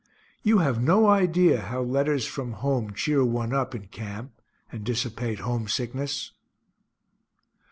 You have no idea how letters from home cheer one up in camp, and dissipate homesickness.